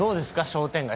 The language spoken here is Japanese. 商店街